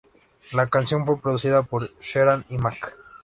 La canción fue producida por Sheeran y Mac.